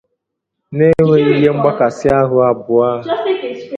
n'enweghị ihe mgbakasị ahụ ọbụa